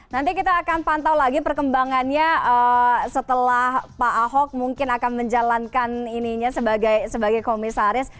nanti kita akan pantau lagi perkembangannya setelah pak ahok mungkin akan menjalankan ininya sebagai komisaris